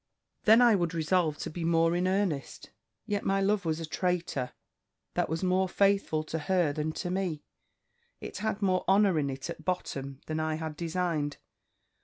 "Then I would resolve to be more in earnest. Yet my love was a traitor, that was more faithful to her than to me; it had more honour in it at bottom than I had designed.